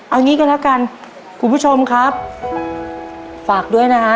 เอางี้กันแล้วกันคุณผู้ชมครับฝากด้วยนะฮะ